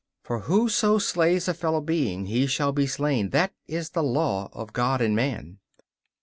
For who so slays a fellow being, he shall be slain; that is the law of God and man.